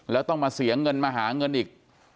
แล้วต้องมาเสียเงินมาหาเงินอีก